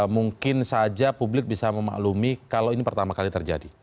mungkin saja publik bisa memaklumi kalau ini pertama kali terjadi